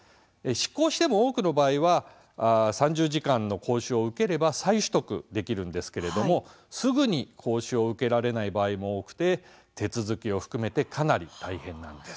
失効しても多くの場合は３０時間の講習を受ければ再取得できるんですけれどもすぐに講習を受けられない場合も多くて手続きを含めてかなり大変なんです。